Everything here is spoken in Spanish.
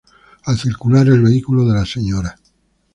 Al circular el vehículo de la Sra.